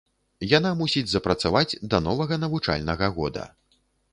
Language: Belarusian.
Яна мусіць запрацаваць да новага навучальнага года.